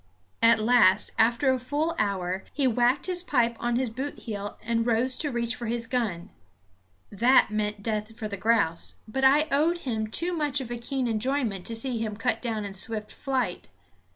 At last, after a full hour, he whacked his pipe on his boot heel and rose to reach for his gun. That meant death for the grouse; but I owed him too much of keen enjoyment to see him cut down in swift flight.